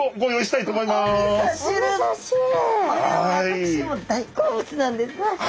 これは私も大好物なんです。